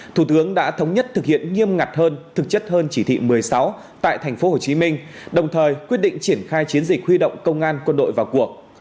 thủ tướng đã thống nhất thực hiện nghiêm ngặt hơn thực chất hơn chỉ thị một mươi sáu tại thành phố hồ chí minh đồng thời quyết định triển khai chiến dịch huy động công an quân đội vào cuộc